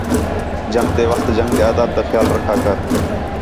جنگ تے وخت جنگ تے آداب تا خیال رکھا کر